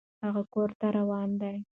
هغه کور ته روان ده